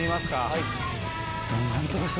はい。